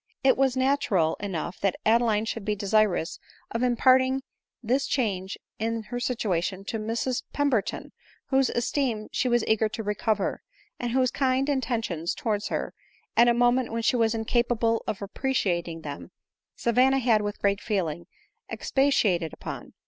It was natural enough that Adeline should be desirous of imparting this change in her situation to Mrs Pember ton, whose esteem she was eager to recover, and whose kind intentions towards her, at a moment when she was incapable of appreciating them, Savanna had, with great feeling, expatiated upon.